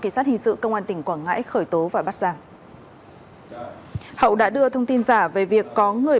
kỳ sát hình sự công an tỉnh quảng ngãi khởi tố và bắt giả hậu đã đưa thông tin giả về việc có người